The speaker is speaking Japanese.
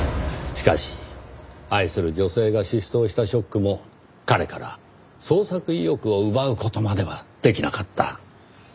しかし愛する女性が失踪したショックも彼から創作意欲を奪う事まではできなかった。